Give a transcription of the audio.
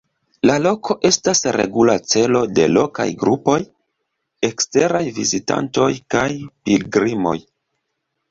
La loko estas regula celo de lokaj grupoj, eksteraj vizitantoj kaj pilgrimoj.